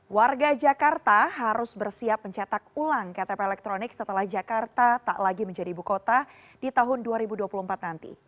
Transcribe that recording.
warga jakarta harus bersiap mencetak ulang ktp elektronik setelah jakarta tak lagi menjadi ibu kota di tahun dua ribu dua puluh empat nanti